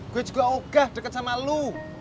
gue juga ogah deket sama lu